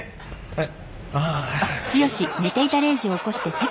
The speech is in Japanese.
はい。